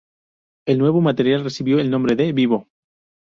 El nuevo material recibió el nombre de "¿Vivo?